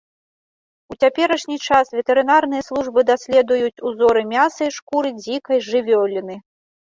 У цяперашні час ветэрынарныя службы даследуюць узоры мяса і шкуры дзікай жывёліны.